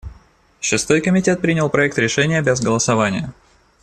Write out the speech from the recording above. Шестой комитет принял проект решения без голосования.